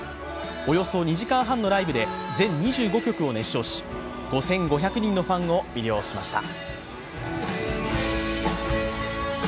およそ２時間半のライブで全２５曲を熱唱し、５５００人のファンを魅了しました。